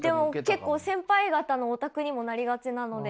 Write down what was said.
結構先輩方のオタクにもなりがちなので。